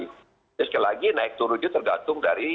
ini sekali lagi naik turun itu tergantung dari